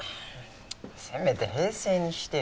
せめて平成にしてよ。